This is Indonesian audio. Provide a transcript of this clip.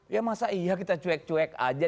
ya masa iya kita cuek cuek aja